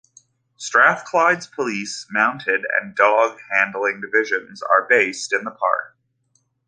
Strathclyde Police's mounted and dog-handling divisions are based in the park.